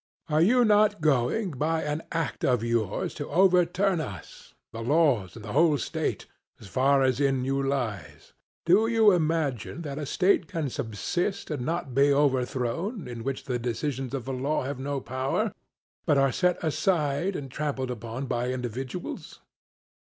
are you not going by an act of yours to overturn us the laws, and the whole state, as far as in you lies? Do you imagine that a state can subsist and not be overthrown, in which the decisions of law have no power, but are set aside and trampled upon by individuals?'